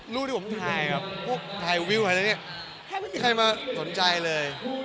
รูปที่ผมถ่ายครับถ่ายวิวถ่ายแบบเนี้ยแค่ไม่มีใครมาสนใจเลย